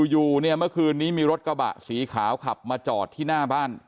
อยู่เนี่ยเมื่อคืนนี้มีรถกระบะสีขาวขับมาจอดที่หน้าบ้าน